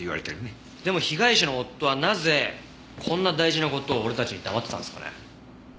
でも被害者の夫はなぜこんな大事な事を俺たちに黙ってたんですかね。